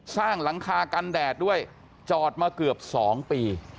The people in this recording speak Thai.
สร้างหลังคากันแดดด้วยจอดมาเกือบ๒ปี